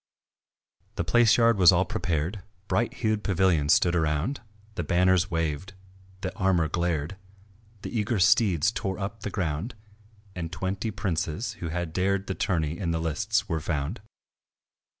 The palace yard was all prepared; Bright hued pavilions stood around, The banners waved, the armour glared, The eager steeds tore up the ground, And twenty princes who had dared The tourney in the lists were found.